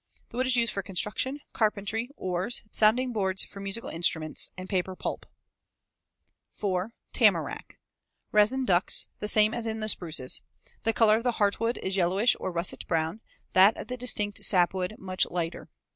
The wood is used for construction, carpentry, oars, sounding boards for musical instruments, and paper pulp. 4. Tamarack. Resin ducts the same as in the spruces. The color of the heartwood is yellowish or russet brown; that of the distinct sapwood much lighter.